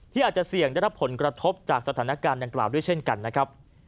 อาจจะเสี่ยงได้รับผลกระทบจากสถานการณ์ดังกล่าวด้วยเช่นกันนะครับ